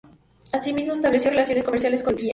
Asimismo, estableció relaciones comerciales con Etiopía.